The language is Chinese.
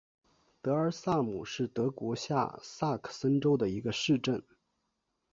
德尔苏姆是德国下萨克森州的一个市镇。